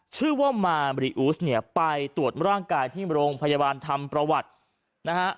ชื่อว่ามารีอูสเนี่ยไปตรวจร่างกายที่โรงพยาบาลทำประวัตินะฮะ